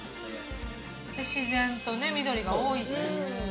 自然と緑が多いっていうね。